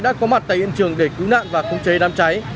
đã có mặt tại hiện trường để cứu nạn và không chế đám cháy